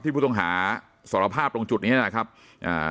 ที่พุทธองฮาสารภาพตรงจุดนี้นะครับอ่า